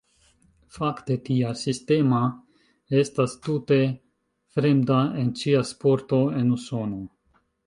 Fakte, tia sistema estas tute fremda en ĉia sporto en Usono.